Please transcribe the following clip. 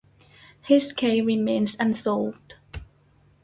His case remains unsolved.